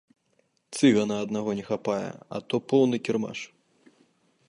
Цыгана аднаго не хапае, а то поўны кірмаш!